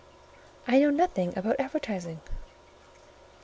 I know nothing about advertising."